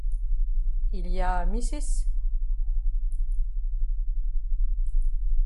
Il y a Mrs.